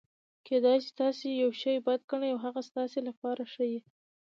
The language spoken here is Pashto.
کېدای سي تاسي یوشي بد ګڼى او هغه ستاسي له پاره ښه يي.